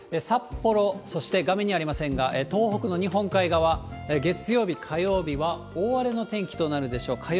札幌、そして画面にありませんが、東北の日本海側、月曜日、火曜日は大荒れの天気となるでしょう。